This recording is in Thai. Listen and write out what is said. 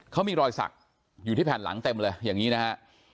เขามีรอยสักอยู่ที่แผ่นหลังเต็มเลยอย่างนี้นะฮะ